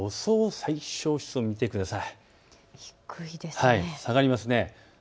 最小湿度を見てください。